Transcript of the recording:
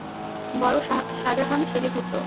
বড় শাজাহান সেজে ঘুরতো।